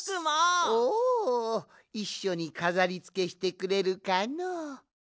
おおいっしょにかざりつけしてくれるかの？